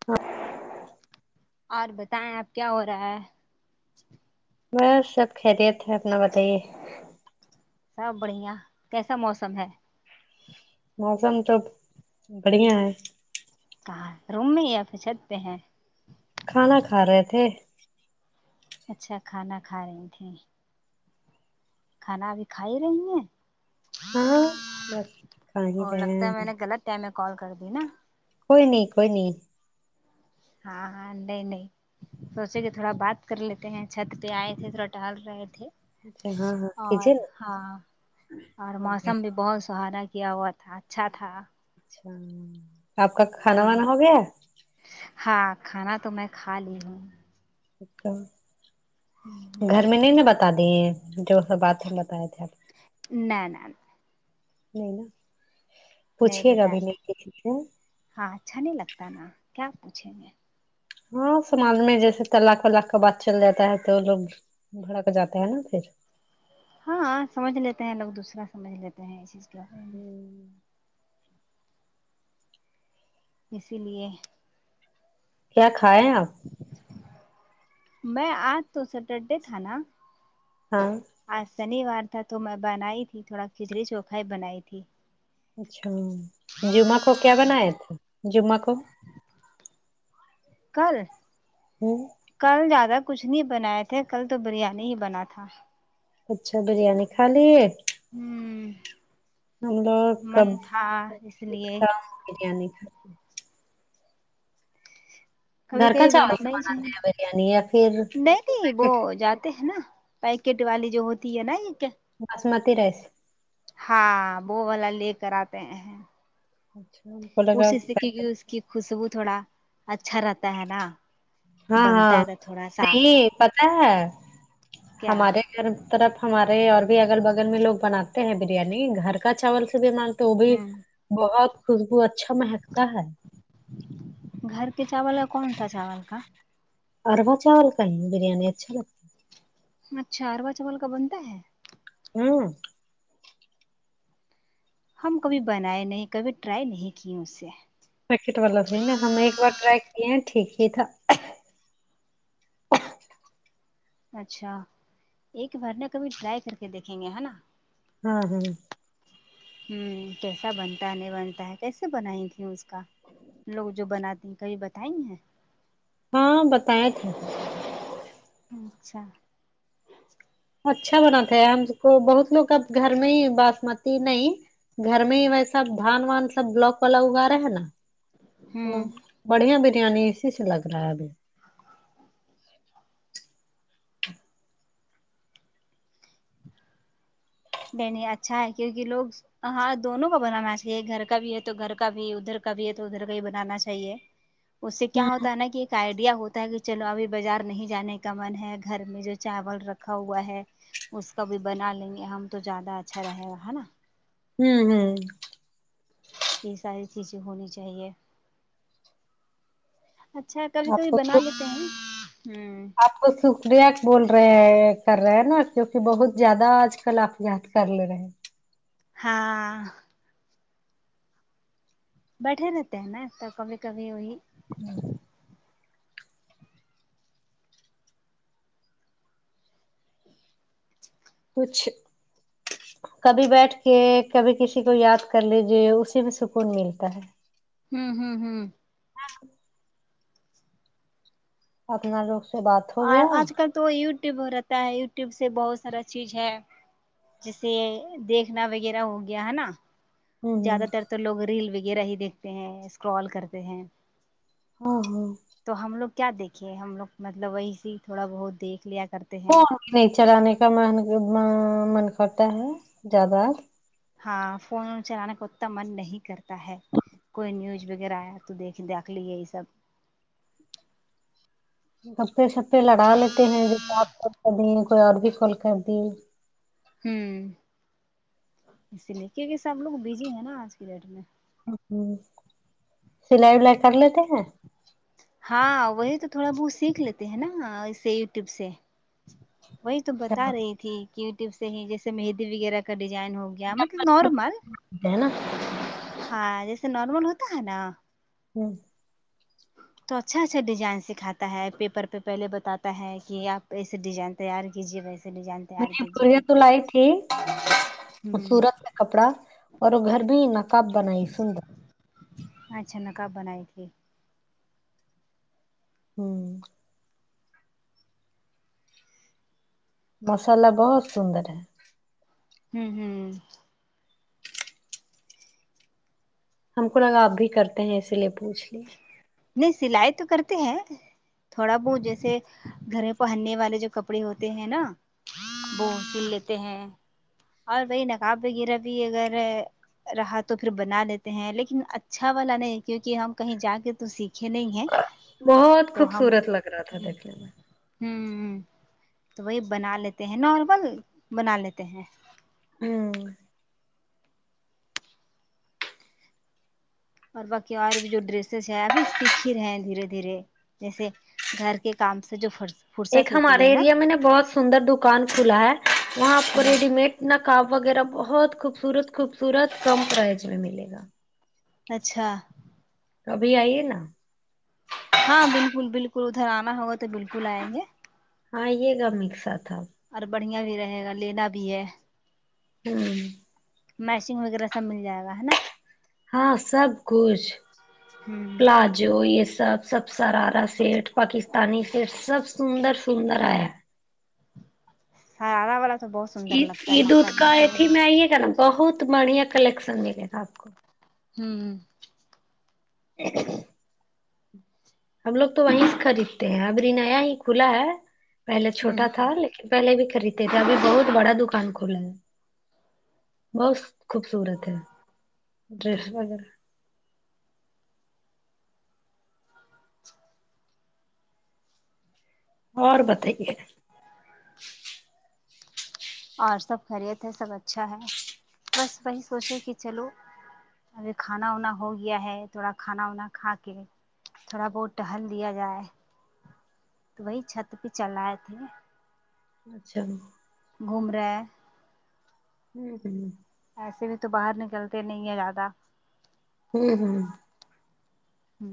ہاں اور بتائیں آپ کیا ہو رہا ہے بس سب خیریت ہے اپنا بتائیے سب بڑھیا کیسا موسم ہے موسم تو بڑھیا ہے کہاں روم میں ہی ہے یا پھر چھت پے ہیں کھانا کھا رہے تھے اچھا کھانا کھا رہی تھی کھانا ابھی کھا ہی رہی ہیں ہاں بس کھا ہی رہے ہے ٹیم میں کال کر دی نا کوئی نہیں کوئی نہیں ہاں ہاں نہیں نہیں سوچے کہ تھوڑا بات کر لیتے ہیں چھت پہ آئے تھے تھوڑا ٹاہل رہے تھے اچھا ہاں ہاں اور کیجیے نا ہاں اور ہو گیا موسم بھی بہت سہانا کیا ہوا تھا اچھا تھا اچھا آپ کا کھانا ہوں وانا ہو گیا ہے ہاں کھانا تو میں کھا لی ہوں اچھا گھر میں نہیں نا بتا دیے جو سب بات ہے بتاائے تھے آپ نہ نا نا نہیں نہیں پوچھیے گا بتاں بھی نہیں کسی سے ہاں اچھا نہیں لگتا نا کیاپوچھیں گے ہاں سماج میں جیسے تلاق ولاق کا بات چل جاتا ہے تو لوگ بھڑا جاتا ہے نا پھر ہاں سمجھ لیتے ہیں لوگ دوسرا سمجھ لیتے ہیں اس چیز کے با اسی لیے کیا کھائے ہیں آپ میں آج تو سٹرڈے تھا نا ہاں آج شنیوار تھا تو میں بنائی تھی تھوڑا کھچڑی چوکھائی بنائی تھی اچھا جمعہ کو کیا بنائے تھے جمعہ کو کل ہوں کل زیادہ کچھ نہیں بنائے تھے کل تو بریانی ہی بنا تھا اچھا بریانی کھا لیے ہوں ہم لوگ من کب تھا اس لیے کام بریانی کہ کبھی گھر کا کبھی چاول سے بنانا بناتے ہیں بریانی یا پھر تی پیکٹ وہ جاتے ہیں نا پیکٹ والی جو ہوتی ہے نا یہ کیا باسمتی رائس ہاں وہ والا لے کر آتے ہیں اچھا ہم کو لگا اسی سے کیکو اس کی خوشبو تھوڑا اچھا رہتا ہے نا ہاں ہاں بنتا تھا تھوڑا سا نہیں پتا ہے کیا ہمارے طرف ہمارے اور بھی اگل بگل میں لوگ بناتے ہیں بریانی گھر کا چاول سے بھی مان تو بھی ہمم بہت خوشبو اچھا مہکتا ہے گھر کے چاول اور کون سا چاول کا ارو وہ چاول کا بریانی اچھا لگتا ہے اچھا اروا چاول کا بنتا ہے ہوں ہم کبھی بنائے نہیں کبھی ٹرائی نہیں کی اس سے پیکٹ والا تھا نا ہم ایک بار ٹرائی کیے ہیں ٹھیک ہی تھا اچھا ایک بار نا کبھی ٹرائی کر کے دیکھیں گے ہے نا ہاں ہاں ہوں کیسا بنتا ہے نہیں بنتا ہے کیسے بنائی تیں اس کا لوگ جو بناتے ہیں کہیں بتائی ہیں ہاں بتیے تھے اچھا اچھا بناات تھا ہم کو بہت لوگ اب گھر میں ہی باسمتی نہیں گھر میں ہی ویسا دھان وان سب بلاک والا اگا رہا ہے نا تو ہمم بڑھیا بریانی اسی سے لگ رہا ہے ابھی نہیں نہیں اچھا ہے کیونکہ لوگ ہاں دونوں کا بنانا چاہیے گھر کا بھی ہے تو گھر کا بھی ادھر کا بھی ہے تو ادھر کا ہی بنانا چاہیے اس سے کیا ہوں ہوتا ہے نا کہ آئیڈیا ہوتا ہے کہ چلو ابھی باجار نہیں جانے کا من ہے گھر میں جو چاول رکھا ہوا ہے اس کا بھی بنا لیں گے ہم تو جیادہ اچھا رہے گا ہے نا ہوں ہوں یہ ساری چیزیں ہونی چاہیے اچھا کبھی آپ کبھی کو بنا لیتے ہیں ہ سکرییا بول رہے ہیں کر رہے ہے نا کیوںکہ بہت زیادہ آج کل آپ گات کر لے رہے ہیں ہاں بیٹھے رہتے ہیں نا تو کبھی کبھی وہی ہوں کچھ کبھی بیٹھ کے کبھی کسی کو یاد کر لیجے اسی میں سکون ملتا ہے ہوں ہوں ہوں [unintelligible] اپنا لوگ سے بات ہو گیا اور آج کل تو یوٹیوب ہو رہتا ہے یوٹیوب سے بہت سارا چیج ہے جیسے دیکھنا وغیرہ ہو گیا ہے نا ہ جیادہ تر تو لوگ ریل وغیرہ ہی دیکھتے ہیں اسکرال کرتے ہیں ہاں ہاں تو ہم لوگ کیا دیکھے ہم لوگ مطلب وہی سے تھوڑا بہت دیکھ لیا کرتے ہیں نہیں چرانے کا م من کرتا ہے جیادہ ہاں فون چلانے کا اتنا من نہیں کرتا ہے کوئی نیوز وغیرہ آیا تو دیکھ دیکھ لی ہے یہ سب گپے شپے لڑا لیتے ہیں جو سپ کھول کر دیے کوئی اور بھی کھول کر دی ہوں اسی لیے کیونکہ سب لوگ بجی ہیں نا آج کی ڈیٹ میں ہ سلائی ولائی کر لیتے ہیں ہاں وہی تو تھوڑا بہت سیکھ لیتے ہیں نا اسے یوٹیوب سے وہی تو بتا رہی تھی کہ یوٹیوب سے ہی جیسے مہدی وغیرہ کا ڈیزائن ہوگی مطلب نارمل ہے نا ہاں جیسے نارمل ہوتا ہے نا ہوں تو اچھا سے ڈیزائن سکھاتا ہے پیپر پہ پہلے بتاتا ہے کہ آپ ویسے ڈیزائن تیار کیجیے ویسے ڈیزائن مے تیار کیجیے بورجے ت پیپر ل سے ہے تھ ہی ہوں خوبصورت ہے کپڑا اور وہ گھر بھی نقاب بناائی سندر اچھا نقب بنائی تھی ہمم ماسللہ بہت سندر ہے ہمم ہمم ہم کو لگا آپ بھی کرتے ہیں اسی لیے پوچھ لیے نہیں سلائی تو کرتے ہیں تھوڑا بہت جیسے گھر پہننے والے جو کپڑے ہوتے ہیں نا وہ سل لیتے ہیں اور وہی نقاب وغیرہ بھی اگر ہے رہا تو پھر بنا لیتے ہیں لیکن اچھا والا نہیں کیوںکہ ہم کہیں جا کے تو سیکھ کھ نہیں ہیں بہت تو ہم خوبصورت لگ رہا تھا دیکھنے میں ہوں تو وہی بنا لیتے ہیں نارمل بنا لیتے ہیں ہم اور باقی اور بھی جو ڈریسز ہے ابھی سیکھ ہی رہے ہیں دھیرے دھیرے جیسے گھر کے کام سے جو فرض ایک ہمارے ایریا میں نے بہت سندر دکان کھولا ہے وہاں آپ کو ہوں ریڈی مڈ ن کاپ وغیرہ بہت خوبصورت خوبصورت کم پرائز میں ملے گا اچھا تو ابھی آئیے نا ہاں بالکل بالکل ادھر آنا ہوگا تو بالکل آئیں گے ہاں یہ گا میک سات تھا اور بڑھیا بھی رہے گا لینا بھی ہے ہاں میشنگ وغیرہ سب مل جائے گا ہے نا ہاں سب کچھ ہوں پلاد جو یہ سب سب سرارا سیٹ پاکستانی سیٹ سب سندر سندر آیا شرارہ والا تو بہت سندر لگتا یہ ہے ماشاء دودھ اللہ سے کائے تھی میں یہ کر ن بہت بڑھیا کلیکشن ملے تھا آپ کو ہوں ہمب لوگ تو وہیں سے خریدتے ہیں اب ر نیا ہی کھلا ہے پہلے ہوں چھوٹا ہوں تھا لیکن کی پہلے بھی خریدتے تھے ابھی بہت بڑا دکان کھلا ہے بہت خوبصورت ہے ڈریس وغیرہ اچھا اور بتائیے اور سب خریت ہے سب اچھا ہے بس وہی سوچیں کہ چلو ابھی کھانا وانا ہو گیا ہے تھوڑا کھانا وانا کھا کے تھوڑا بہت ٹہل لیا جائے تو وہی چھت پہ چل آئے تھے اچھا گھوم رہے ہیں ہوں ایسے بھی تو باہر نکلتے نہیں ہیں زیادہ ہوں ہوں ہ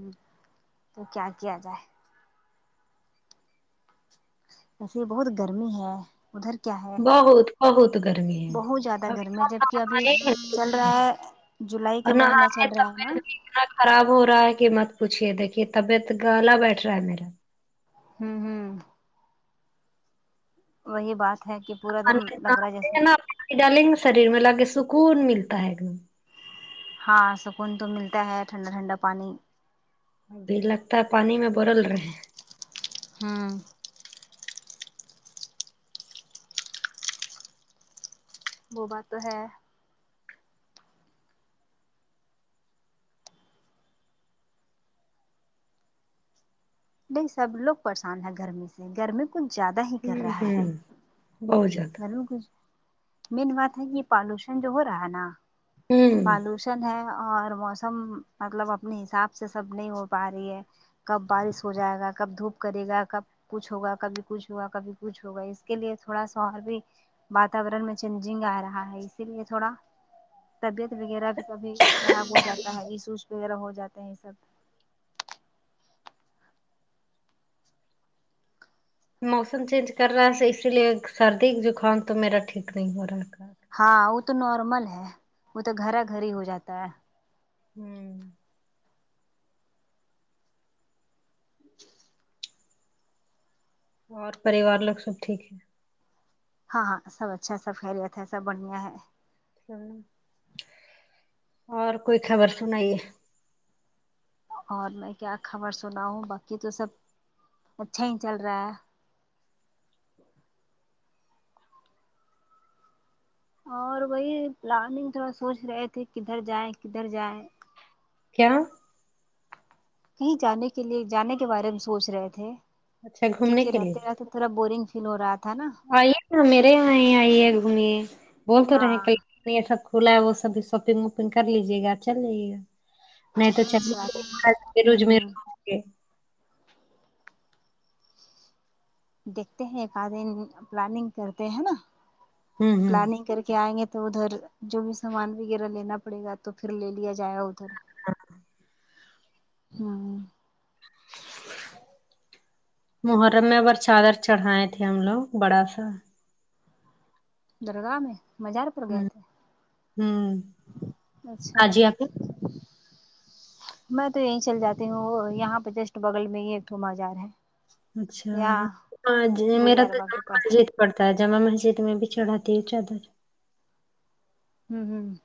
تو کیا کیا جائے ایسے ہی بہت گرمی ہے ادھر کیا ہے بہت بہت گرمی ہے بہت زیادہ گرمی جبک ابھی چل [unintelligible] رہا ہے جولائی [unintelligible] کے اتنا مہینہ چل رہا ہے نا خراب ہو رہا ہے کہ مت پوچھیے دیکھیے طبیعت گالا بیٹھ رہا ہے میرا امم امم وہی بات ہے کہ پورا دم لگ رہا جیسے ڈالنگ شریر میں لا کے سکون ملتا ہے ایک دم ہاں سکون تو ملتا ہے ٹھنڈا ٹھنڈا پانی ابھی لگتا ہے پانی میں برل رہے ہاں وہ بات تو ہے ایک دم سب لوگ پریشان ہیں گھرمیں سے گرمی کچھ زیادہ ہے ہی کر امم رہا امم بہت ذیادہ مین بات ہے کہ پالوشن جو ہو رہا نا ہوں پالوشن نہ ہے اور موسم مطلب اپنے حساب سے سب نہیں ہو پا رہی ہے کب بارش ہو جائے گا کب دھوپ کرے گا کب کچھ ہوگا کبھی کچھ ہوگا کبھی کچھ ہوگا اس کے لیے تھوڑا سا اور بھی واتاورن میں چینجنگ آ رہا ہے اسی لیے تھوڑا طبیعت وغیرہ بھی کبھی خراب ہو جاتا ہے اس اوس وغیرہ ہو جاتے ہیں یہ سب موسم چینج کر رہا ہے اسی لیے سردی جکام تو میرا ٹھیک نہیں ہو رہا تھا ہاں وہ تو نارمل ہے وہ تو گھرا گھر ہی ہو جاتا ہے امم اور پریوار لوگ سب ٹھیک ہے ہاں ہاں سب اچھا ہے سب خیریت ہے سب بڑھیا ہے اور کوئی خبر سنائیے اور میں کیا خبر سناو باقی تو سب اچھا ہی چل رہا ہے اور وہی پلاننگ تھوڑا سوچ رہے تھے کدھر جائیں کدھر جائیں کیا کہیں جانے کے لیے جانے کے بارے میں سوچ رہے تھے اچھا گھومنے کیونکہ کے لیے رہتے رہتے تھوڑا بورنگ فیل ہو رہا تھا نا آئیے نہ میرے یہاں ہی آئیے گھو میے بول کر رہے ہیں ہاں کل نہیں یہ سب کھلا ہے وہ سب شاپنگ وپنگ کر لیجیے گا چلیے نہیں تو چ اچھا ہوں روج میر ہوں [unintelligible] دیکھتے ہیں ایک آد دن پلاننگ کرتے ہیں نا ہوں پلاننگ کر کے آئیں گے تو ادھر جو بھی سامان وغیرہ لینا پڑے گا تو پھر لے لیا جائے ادھر امم محرم میں اگر چادر چڑھائے تھے ہم لوگ بڑا سا درگاہ میں مزار پر گئے تھے امم اچھا میں تو یہیں چل جاتی ہوں وہ یہاں پہ جسٹ بغل میں ہی ایک مزار ہے اچھا یہاں میرا تو گلزارباغ م کے پاس [unintelligible] پڑتا ہے جامع مسجد میں بھی چڑھاتی ہے چادر امم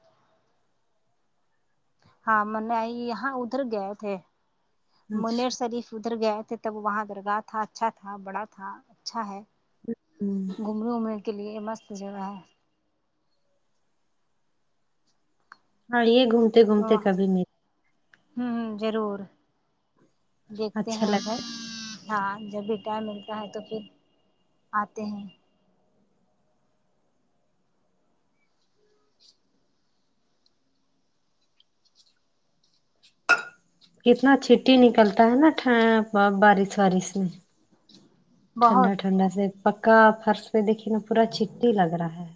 ہاں منای یہاں ادھر گئے تھے منیر اچھا شریف ادھر گیا تھے تب وہاں درگاہ تھا اچھا تھا بڑا تھا اچھا ہے ہمم گھومنے کے لیے مست جگہ ہے ہاں یے گھومتے گھومتے کبھی میر ہمم ضرور دیکھتے اچھا ہیں لگتا ادھر ہاں جب بھی ٹائم ملتا ہے تو پھر آتے ہیں کتنا چھٹی نکلتا ہے نا ٹھیں بارش وارش میں ٹھنڈا بہت ٹھنڈا سے پکا فرش پے دیکھیے نا پورا چٹی لگ رہا ہے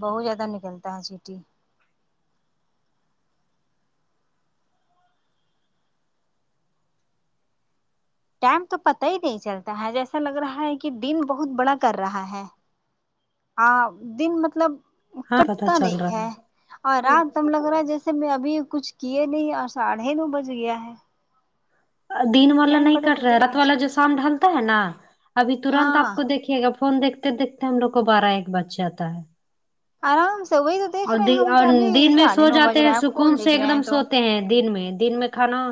بہت زیادہ نکلتا ہے سیٹی ٹائم تو پتہ ہی نہیں چلتا ہے جیسا لگ رہا ہے کہ دن بہت بڑا کر رہا ہے ہاں دن مطلب ہاں پتا کٹتا چل نہیں رہا ہے اور رات تب لگ رہا ہے جیسے میں ابھی کچھ کیے نہیں اور ساڑھے نو بج گیا ہے دن والا ٹائم نہیں کا تو کرے پتہ ہی رات نہیں والا جو شام ڈھالتا ہے نا ابھی ترنت آپ ہاں کو دیکھیے گا فون دیکھتے دیکھتے ہم لوگ کو بارہ ایک بچہ آتا ہے آرام سے وہی دیکھ اور رہے ہیں ہم کہ اور ابھی دن میں ساڑھے سو نو بج جاتے ہیں رہا ہے سکون فون سے دیکھ رہے ایک دم ہیں تو سوتے ہیں دن میں دن میں کھانا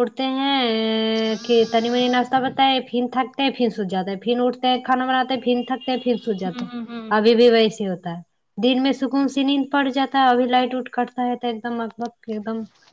اڑتے ہیں کہ تنی منی ناشتہ بتائے تے ہیں پھر سو جاتے ہے پھر اٹھتا ہے کھانا بناتا ہے پھن تھکتے ہے پھر سو ہوں جاتا ہے ہوں ہوں ابھی بھی ویسی ہوتا ہے دن میں سکون سے نیند پڑ جاتا ہے ابھی لائٹ وٹ کٹتا ہے تو ایک دم مطلب پھر کم